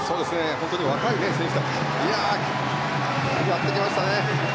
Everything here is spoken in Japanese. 本当に若い選手盛り上がってきましたね。